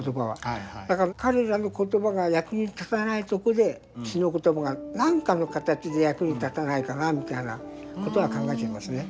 だから彼らの言葉が役に立たないところで詩の言葉が何かの形で役に立たないかなみたいな事は考えていますね。